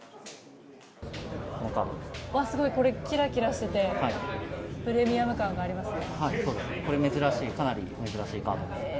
これ、キラキラしててプレミアム感がありますね。